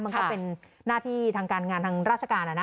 มันก็เป็นหน้าที่ทางการงานทางราชการ